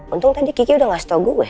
untung tadi kiki udah ngasih tau gue